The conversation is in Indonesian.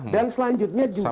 dan selanjutnya juga